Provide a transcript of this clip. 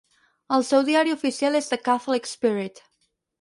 El seu diari oficial és "The Catholic Spirit".